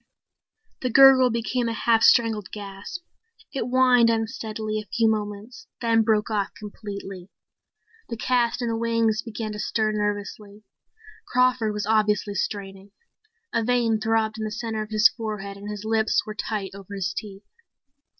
The gurgle became a half strangled gasp. It whined unsteadily a few moments then broke off completely. The cast in the wings began to stir nervously. Crawford was obviously straining. A vein throbbed in the center of his forehead and his lips were tight over his teeth.